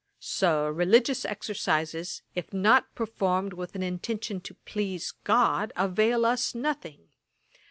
So, religious exercises, if not performed with an intention to please GOD, avail us nothing.